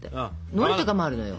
のりとかもあるのよ。